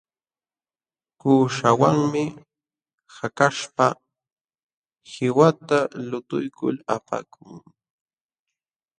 Kuuśhawanmi hakaśhpa qiwata lutuykul apakun.